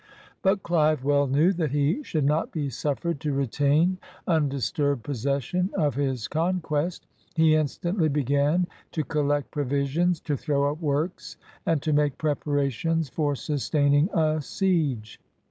But Clive well knew that he should not be suffered to retain undisturbed possession of his conquest. He in stantly began to collect provisions, to throw up works, and to make preparations for sustaining a siege.